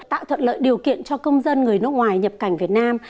tạo thuận lợi điều kiện cho công dân người nước ngoài nhập cảnh việt nam